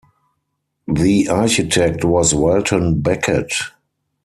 The architect was Welton Becket.